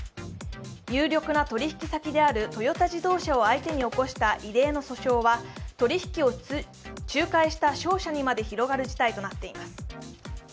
有力な取引先であるトヨタ自動車を相手に起こした異例の訴訟は取り引きを仲介した商社にまで広がる事態となっています。